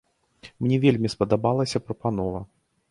Мне вельмі спадабалася прапанова.